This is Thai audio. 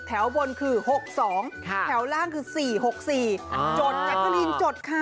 แถวบนคือ๖๒แถวล่างคือ๔๖๔จดแจ๊กกะลีนจดค่ะ